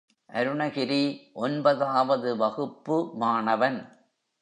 அருணகிரி ஒன்பதாவது வகுப்பு மாணவன்.